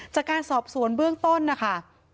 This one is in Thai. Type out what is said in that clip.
จากการสอบสวนเบื้องต้นนะคะ